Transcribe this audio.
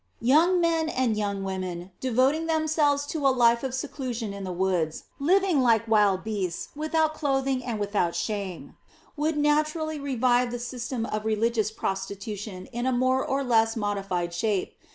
Young men and young women, devoting themselves to a life of seclusion in the woods, living like wild beasts, without clothing and without shame, would naturally revive the system of religious prostitution in a more or less modified shape.